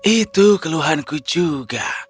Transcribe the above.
itu keluhanku juga